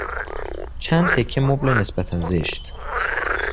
چند تکه مبل نسبتا زشت